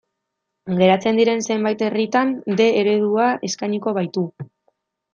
Geratzen diren zenbait herritan D eredua eskainiko baitu.